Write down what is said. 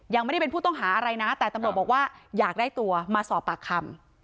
ยังไม่ได้เป็นผู้ต้องหาอะไรนะแต่ตำรวจบอกว่าอยากได้ตัวมาสอบปากคำ